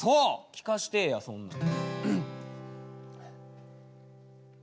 聴かしてえやそんなん。